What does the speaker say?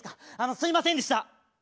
すいませんでした。